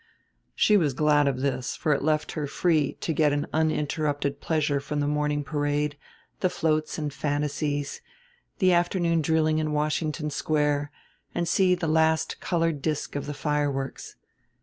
She was glad of this, for it left her free to get an uninterrupted pleasure from the morning parade, the floats and fantasies, the afternoon drilling in Washington Square, and see the last colored disk of the fireworks.